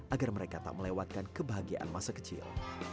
agar mereka tak melewatkan kebahagiaan masa kecil